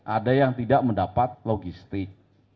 ada yang tidak mendapat logistik